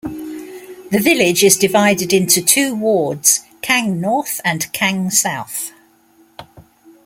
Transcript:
The village is divided into two wards, Kang North and Kang South.